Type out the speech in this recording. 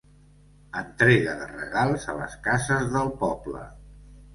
Entrega de regals a les cases del poble.